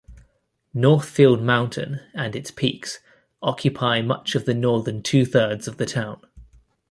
Northfield Mountain and its peaks occupy much of the northern two-thirds of the town.